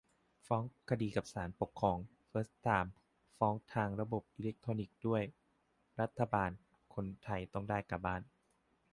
ฟ้องคดีกับศาลปกครอง เฟิร์สไทม์ ฟ้องทางระบบอิเล็กทรอนิกส์ด้วย - «รัฐบาลไทย : คนไทยต้องได้กลับบ้าน